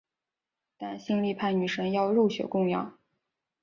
但性力派女神要血肉供养。